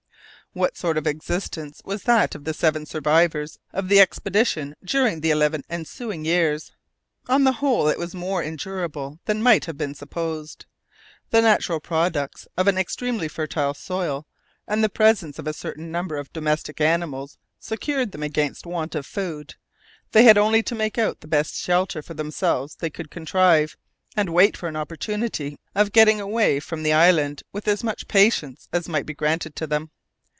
What sort of existence was that of the seven survivors of the expedition during the eleven ensuing years? On the whole, it was more endurable than might have been supposed. The natural products of an extremely fertile soil and the presence of a certain number of domestic animals secured them against want of food; they had only to make out the best shelter for themselves they could contrive, and wait for an opportunity of getting away from the island with as much patience as might be granted to them.